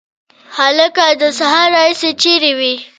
هلکه د سهار راهیسي چیري وې؟